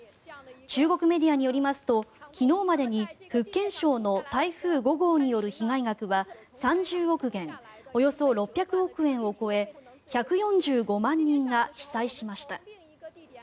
中国メディアによりますと昨日までに福建省の台風５号による被害額は３０億元およそ６００億円を超え１４５万人が被災しました。